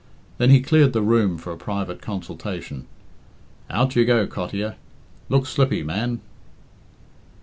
Then he cleared the room for a private consultation. "Out you go, Cottier. Look slippy, man!"